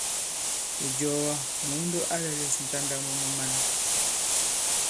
Ìjɔ̀ɔ̀wa, Mùundo a lɛ̄lɛ̄s ǹtanda mwe mu man.